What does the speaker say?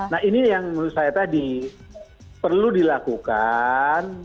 nah ini yang menurut saya tadi perlu dilakukan